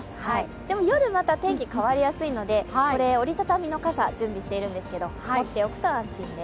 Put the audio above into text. でも夜、また天気、変わりやすいので折りたたみの傘準備しているんですけど持っておくと安心です。